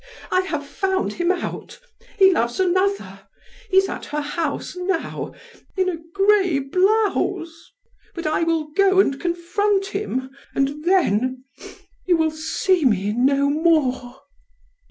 "I have found him out he loves another. He's at her house now, in a gray blouse. But I will go and confront him, and then you will see me no more."